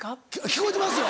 聞こえてますよ。